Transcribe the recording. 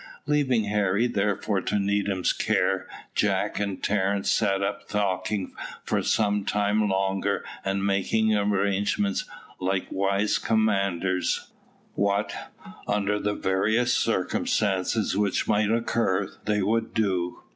Leaving Harry therefore to Needham's care, Jack and Terence sat up talking for some time longer, making arrangements, like wise commanders, what, under the various circumstances which might occur, they would do.